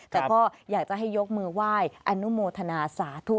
แต่ก็อยากจะให้ยกมือไหว้อนุโมทนาสาธุ